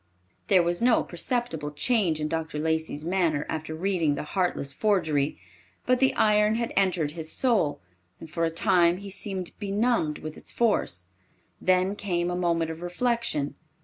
There was no perceptible change in Dr. Lacey's manner after reading the heartless forgery, but the iron had entered his soul, and for a time he seemed benumbed with its force. Then came a moment of reflection.